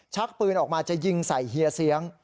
ชักปืนออกมาจะยิงใส่เฮียเสียง